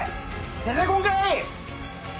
出てこんかい！